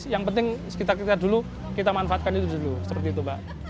yang penting sekitar kita dulu kita manfaatkan itu dulu